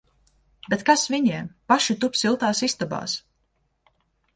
Bet kas viņiem! Paši tup siltās istabās!